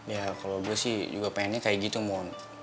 ya kalau gue sih juga pengennya kayak gitu moon